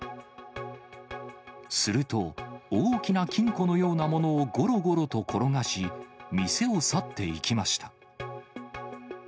すると、大きな金庫のようなものをごろごろと転がし、店を去っていきました。